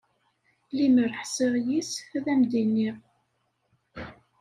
Limer ḥṣiƔ yes, ad am-d-iniƔ.